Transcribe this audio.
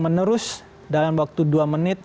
menerus dalam waktu dua menit